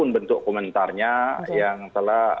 bentuk komentarnya yang telah